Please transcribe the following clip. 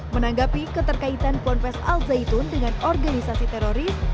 menanggapi keterkaitan ponpes al zaitun dengan organisasi teroris